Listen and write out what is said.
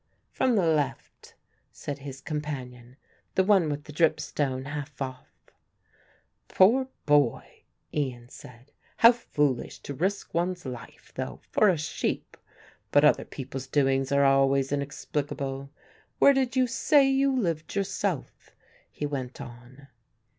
"From the left," said his companion, "the one with the dripstone half off." "Poor boy!" Ian said; "how foolish to risk one's life, though, for a sheep; but other people's doings are always inexplicable. Where did you say you lived yourself?" he went on.